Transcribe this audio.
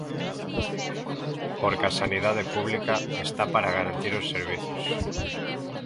Porque a sanidade pública está para garantir os servizos.